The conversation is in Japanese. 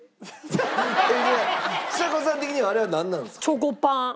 ちさ子さん的にはあれはなんなんですか？